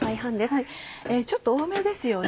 ちょっと多めですよね。